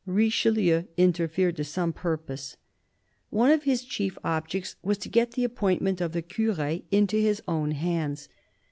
Richelieu interfered to some purpose. One of his chief objects was to get the appointment of the cures into his own hands.